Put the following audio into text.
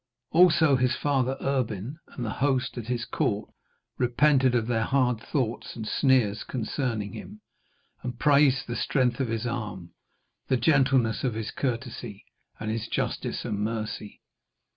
Also his father Erbin and the host at his court repented of their hard thoughts and sneers concerning him, and praised the strength of his arm, the gentleness of his courtesy, and his justice and mercy.